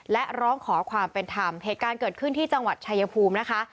และร้องขอความเป็นธรรมเหตุการณ์เกิดขึ้นที่จังหวัดชายภูมินะคะ